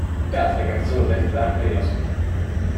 Pealtnägijate sõnul tehti vähemalt neli lasku.